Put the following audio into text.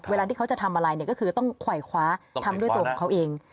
เวลาที่เขาจะทำอะไรเนี่ยก็คือต้องไขว่คว้าทำด้วยตัวของเขาเอง